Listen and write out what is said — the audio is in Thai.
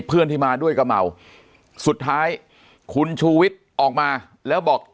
เพื่อนที่มาด้วยก็เมาสุดท้ายคุณชูวิทย์ออกมาแล้วบอก